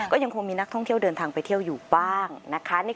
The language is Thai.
ก็ยังคงมีนักท่องเที่ยวเดินทางไปเที่ยวอยู่บ้างนะคะ